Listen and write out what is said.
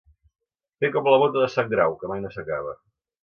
Fer com la bota de sant Grau, que mai no s'acaba.